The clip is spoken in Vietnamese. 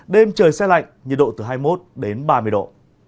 đêm trời xe lạnh nhiệt độ từ hai mươi một đến ba mươi độ